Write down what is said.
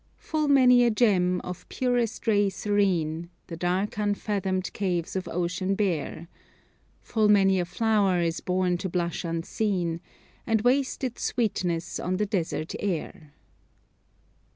"Full many a gem, of purest ray serene, The dark unfathomed caves of ocean bear; Full many a flower is born to blush unseen, And waste its sweetness on the desert air."